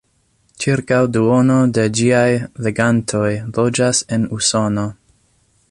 Ĉirkaŭ duono de ĝiaj legantoj loĝas en Usono.